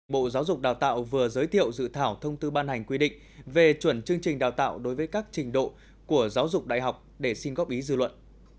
bộ giáo dục đào tạo vừa giới thiệu dự thảo thông tư ban hành quy định về chuẩn chương trình đào tạo đối với các trình độ của giáo dục đại học để xin góp ý dư luận